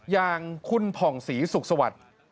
อย่างคุณผ่องศรีสุขสวัสดิ์